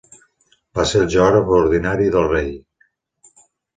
Va ser el geògraf ordinari del rei.